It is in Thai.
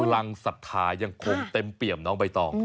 รังศรัทธายังคงเต็มเปี่ยมน้องใบตอง